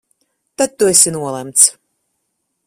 Tad tu esi nolemts!